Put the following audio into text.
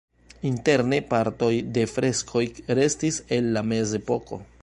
Interne partoj de freskoj restis el la mezepoko.